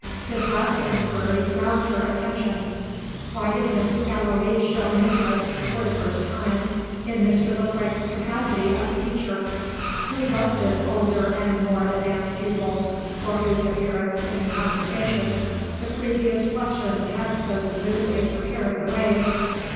This last inquiry roused her attention. Why did Mrs. Gallilee show an interest, for the first time, in Mr. Le Frank's capacity as a teacher? Who was this "older and more advanced pupil," for whose appearance in the conversation the previous questions had so smoothly prepared the way?